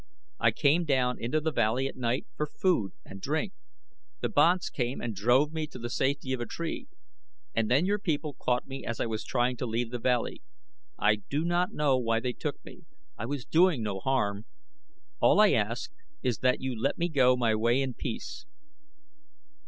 I came down into the valley at night for food and drink. The banths came and drove me to the safety of a tree, and then your people caught me as I was trying to leave the valley. I do not know why they took me. I was doing no harm. All I ask is that you let me go my way in peace."